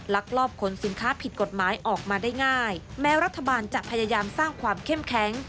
ลักลอบขนสินค้าผิดกฎหมายออกมาได้ง่ายแม้รัฐบาลจะพยายามสร้างความเข้มแข็ง